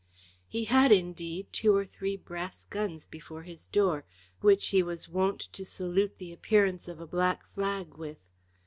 He had, indeed, two or three brass guns before his door, which he was wont to salute the appearance of a black flag with.